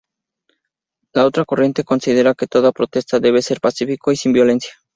La otra corriente considera que toda protesta debe ser pacífico y sin violencia.